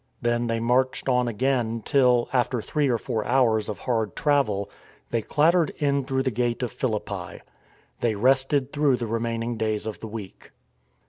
Then they marched on again till, after three or four hours of hard travel, they clattered in through the gate of Philippi. They rested through the remaining days of the week.